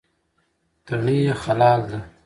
تڼۍ یې خلال ده.